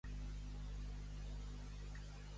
Vorejant els límits, però, no és fàcil de classificar.